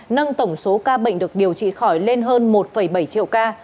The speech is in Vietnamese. nâng tổng số ca bệnh được điều trị khỏi lên hơn một bảy triệu ca